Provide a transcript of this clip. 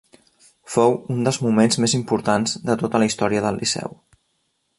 Fou un dels moments més importants de tota la història del Liceu.